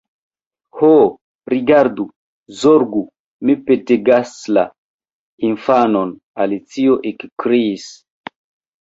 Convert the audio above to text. "Ho, rigardu, zorgu, mi petegasla infanon!" Alicio ekkriis.